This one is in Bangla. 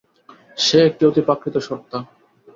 সে একটি অতিপ্রাকৃত সত্তা।